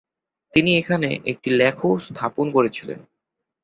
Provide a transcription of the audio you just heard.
তিনি এখানে একটি লেখ স্থাপন করেছিলেন।